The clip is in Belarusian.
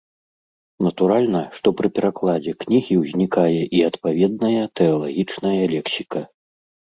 Натуральна, што пры перакладзе кнігі ўзнікае і адпаведная тэалагічная лексіка.